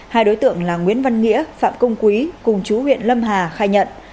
hai đối tượng là nguyễn văn nghĩa phạm công quý cùng chú huyện lâm hà khai nhận